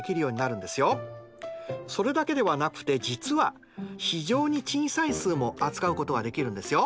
それだけではなくて実は非常に小さい数も扱うことができるんですよ。